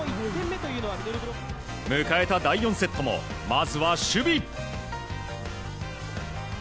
迎えた第４セットもまずは守備。